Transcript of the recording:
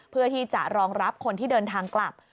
เพื่อที่จะรองรับคนที่เดินทางกลับ